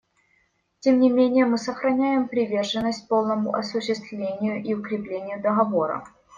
Тем не менее мы сохраняем приверженность полному осуществлению и укреплению Договора.